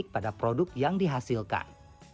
pada produk yang dihasilkan